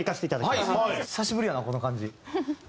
久しぶりやなこの感じ。